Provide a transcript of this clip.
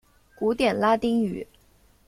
古典拉丁语。